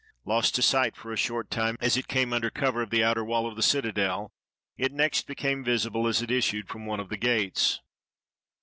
Lost to sight for a short time as it came under cover of the outer wall of the citadel, it next became vis ible as it issued from one of the gates.